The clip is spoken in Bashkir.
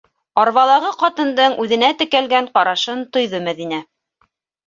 Арбалағы ҡатындың үҙенә текәлгән ҡарашын тойҙо Мәҙинә.